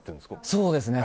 そうですね。